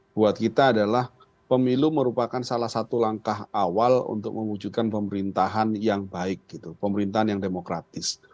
buat kita adalah pemilu merupakan salah satu langkah awal untuk mewujudkan pemerintahan yang baik gitu pemerintahan yang demokratis